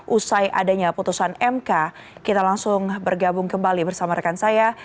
usai adanya putusan mk kita langsung bergabung kembali bersama rekan saya